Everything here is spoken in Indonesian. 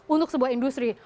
untuk sebuah industri